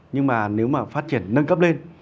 nhưng mà nếu mà phát triển nâng cấp lên